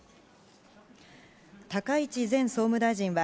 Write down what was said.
高市前総務大臣は